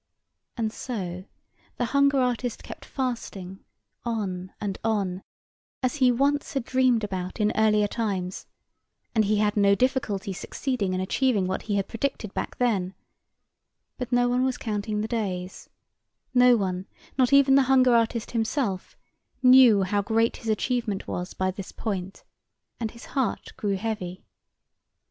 And so the hunger artist kept fasting on and on, as he once had dreamed about in earlier times, and he had no difficulty succeeding in achieving what he had predicted back then, but no one was counting the days—no one, not even the hunger artist himself, knew how great his achievement was by this point, and his heart grew heavy.